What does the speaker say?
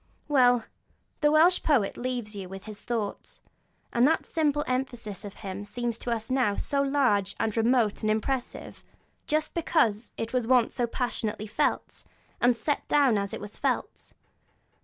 Well, the Welsh poet leaves you with his thought, and that simple emphasis of his seems to us now so large and remote and impressive, just because it was once so passionately felt, and set down as it was felt.